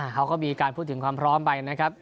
เขาก็มีการพูดถึงความพร้อมไปนะครับ